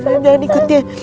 jangan jangan ikut dia